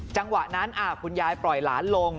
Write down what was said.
จังหวะนั้นคุณยายปล่อยหลานลง